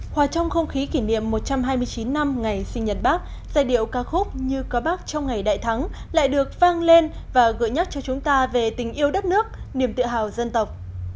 hòa trong không khí kỷ niệm một trăm hai mươi chín năm ngày sinh nhật bác giai điệu ca khúc như có bác trong ngày đại thắng lại được vang lên và gửi nhắc cho chúng ta về tình yêu đất nước niềm tự hào dân tộc